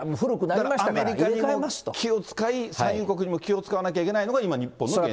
アメリカにも気を遣い、産油国にも気を遣わなきゃいけないのが日本の現状。